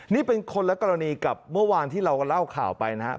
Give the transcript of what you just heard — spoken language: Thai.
นี่เป็นคนละกรณีกับเมื่อวานที่เราเล่าข่าวไปนะครับ